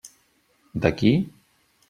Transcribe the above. De qui?